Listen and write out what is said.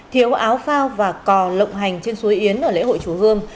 thiếu áo phao và cò lộng hành trên suối yến ở lễ hội chú hương